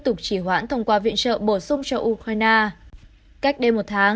tục chỉ hoãn thông qua viện trợ bổ sung cho ukraine cách đây một tháng